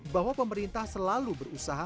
bahwa pemerintah selalu berusaha